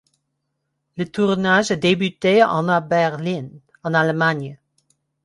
Le tournage a débuté en à Berlin, en Allemagne.